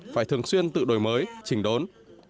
phải thường xuyên tự đổi mới chỉnh đốn